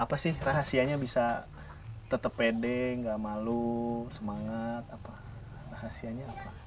apa sih rahasianya bisa tetap pede nggak malu semangat rahasianya apa